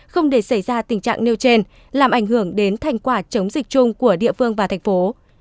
không để xảy ra tình trạng nêu trên làm ảnh hưởng đến thành quả chống dịch chung của địa phương và thành phố